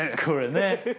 これね